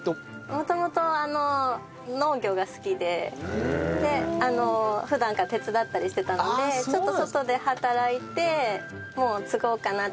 元々農業が好きで普段から手伝ったりしてたのでちょっと外で働いてもう継ごうかなと。